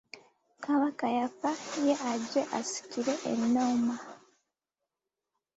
Kabaka yafa, ye ajje asikire ennoma.